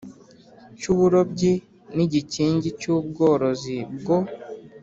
Cy uburobyi n igikingi cy ubworozi bwo